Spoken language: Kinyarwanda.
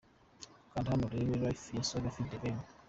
Kanda hano urebe 'Life' ya Saga ft The Ben .